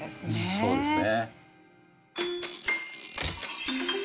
そうですね。